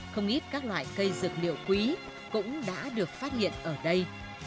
không ít các loại cây dược liệu quý cũng đã được phát hiện ở đây